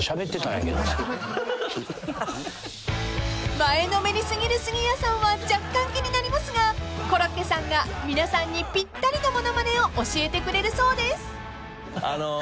［前のめり過ぎる杉谷さんは若干気になりますがコロッケさんが皆さんにぴったりのものまねを教えてくれるそうです］